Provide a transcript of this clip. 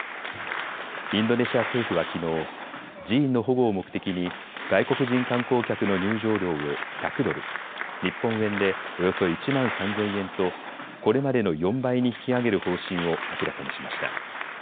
インドネシア政府はきのう寺院の保護を目的に外国人観光客の入場料を１００ドル、日本円でおよそ１万３０００円とこれまでの４倍に引き上げる方針を明らかにしました。